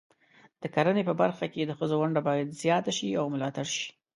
د کرنې په برخه کې د ښځو ونډه باید زیاته شي او ملاتړ شي.